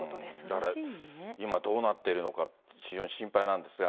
だから、今どうなっているのか、心配なんですが。